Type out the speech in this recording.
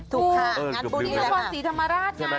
ถูกค่ะงานบุญที่นครศรีธรรมราชไง